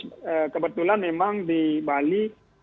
nah kebetulan memang di bali